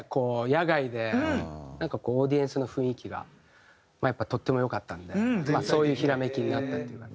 野外でなんかオーディエンスの雰囲気がやっぱとっても良かったのでそういうひらめきになったっていうか。